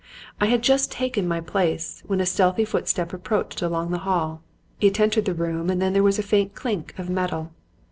I had just taken my place when a stealthy footstep approached along the hall. It entered the room and then there was a faint clink of metal.